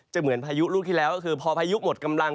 เหมือนพายุลูกที่แล้วก็คือพอพายุหมดกำลัง